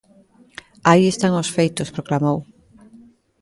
Aí están os feitos, proclamou.